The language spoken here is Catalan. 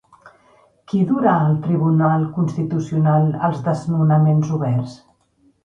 Qui durà al Tribunal Constitucional els desnonaments oberts?